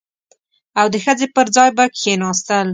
او د ښځې پر ځای به کښېناستل.